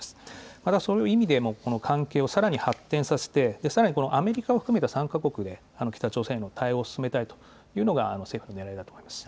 またそういう意味でも、この関係をさらに発展させて、さらにこのアメリカを含めた３か国で北朝鮮への対応を進めたいというのが政府のねらいだと思います。